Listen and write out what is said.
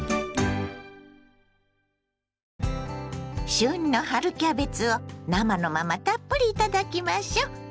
旬の春キャベツを生のままたっぷりいただきましょ。